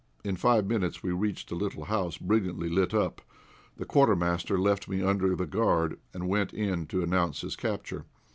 In five minutes we reached a little house, brilliantly lit up. The Quartermaster left me under the guard, and went in to announce his capture.